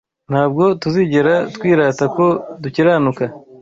ntabwo tuzigera twirata ko dukiranuka